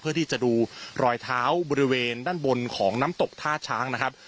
เพื่อที่จะดูรอยเท้าบริเวณด้านบนของน้ำตกท่าช้างนะครับ